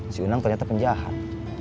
si unang ternyata penjahat